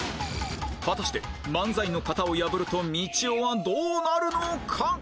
果たして漫才の型を破るとみちおはどうなるのか？